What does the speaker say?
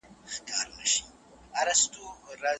ښوونکي د زده کوونکو بریالیتوب غواړي.